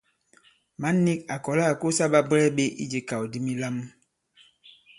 Mǎn nīk à kɔ̀la à kosā ɓabwɛɛ ɓē ijē ikàw di milām.